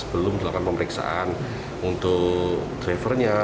belum dilakukan pemeriksaan untuk drivernya